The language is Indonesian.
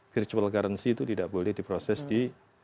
cryptocurrency itu tidak boleh diproses di